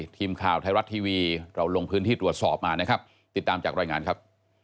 ทีมข่าวไทยรัฐทีวีเราลงพื้นที่ตรวจสอบมานะครับติดตามจากรายงานครับ